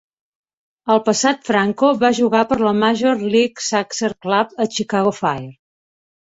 El passat Franco va jugar per la major League Soccer Club a Chicago Fire.